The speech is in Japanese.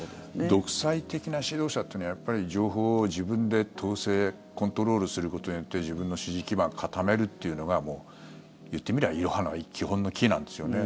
独裁的な指導者というのはやっぱり情報を自分で統制コントロールすることによって自分の支持基盤を固めるというのがいってみれば、いろはの「い」基本の「き」なんですよね。